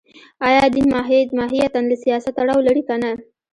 ایا دین ماهیتاً له سیاست تړاو لري که نه